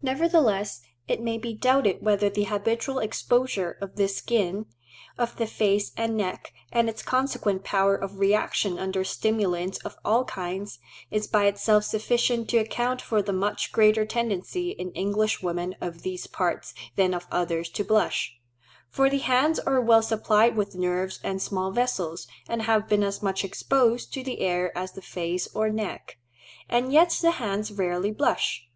Nevertheless it may be doubted whether the habitual exposure of the skin of the face and neck, and its consequent power of reaction under stimulants of all kinds, is by itself sufficient to account for the much greater tendency in English women of these parts than of others to blush; for the hands are well supplied with nerves and small vessels, and have been as much exposed to the air as the face or neck, and yet the hands rarely blush.